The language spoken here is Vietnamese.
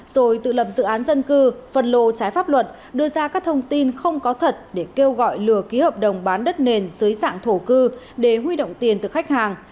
rồi tự lập dự án dân cư phân lô trái pháp luật đưa ra các thông tin không có thật để kêu gọi lừa ký hợp đồng bán đất nền dưới dạng thổ cư để huy động tiền từ khách hàng